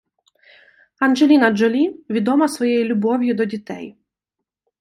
Анджеліна Джолі відома своєю любов'ю до дітей.